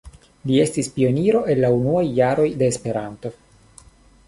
Li estis pioniro el la unuaj jaroj de Esperanto.